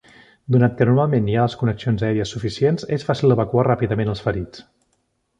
Donat que normalment hi ha les connexions aèries suficients, és fàcil evacuar ràpidament els ferits.